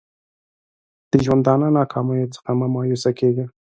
د ژوندانه د ناکامیو څخه مه مایوسه کېږه!